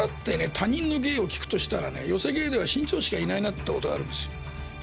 他人の芸を聞くとしたらね寄席芸では志ん朝しかいないなってことがあるんです。